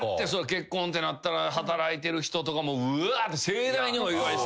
結婚ってなったら働いてる人とかも「うわ！」って盛大にお祝いしてくれるやろうし。